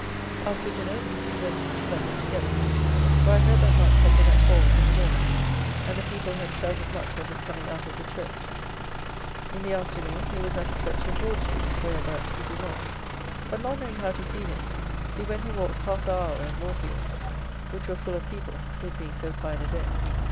After dinner we three went into London together, where I heard that Monk had been at Paul's in the morning, and the people had shouted much at his coming out of the church. In the afternoon he was at a church in Broad street, whereabout he do lodge. But not knowing how to see him we went and walked half a hour in Moorfields, which were full of people, it being so fine a day.